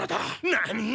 なに？